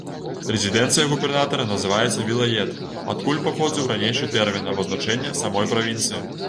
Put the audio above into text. Рэзідэнцыя губернатара называецца вілает, адкуль паходзіў ранейшы тэрмін абазначэння самой правінцыі.